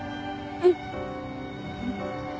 うん。